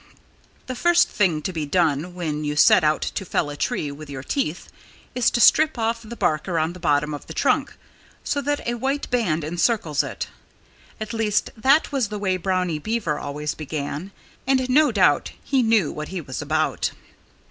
The first thing to be done when you set out to fell a tree with your teeth is to strip off the bark around the bottom of the trunk, so that a white band encircles it. At least, that was the way Brownie Beaver always began. And no doubt he knew what he was about.